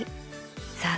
さあ